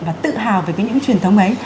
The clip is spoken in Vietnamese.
và tự hào về những truyền thống ấy